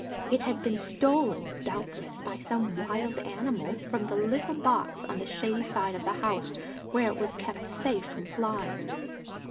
It had been stolen, doubtless by some wild animal, from the little box on the shady side of the house, where it was kept safe from flies.